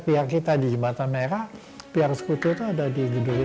pihak kita di jembatan merah pihak sekutu itu ada di gedung